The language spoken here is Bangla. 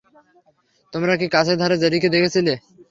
তোমরা কি কাছেধারে জেরিকে দেখেছিলে?